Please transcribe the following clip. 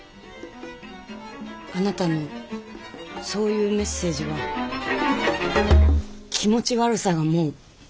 あなたのそういうメッセージは気持ち悪さがもうまんぱん。